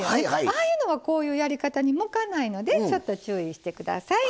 ああいうのはこういうやり方に向かないのでちょっと注意して下さい。